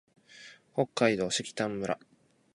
北海道色丹村